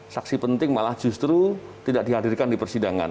saksi penting malah justru tidak dihadirkan di persidangan